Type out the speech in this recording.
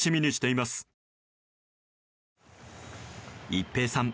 一平さん